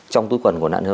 trong túi quần của nạn nhân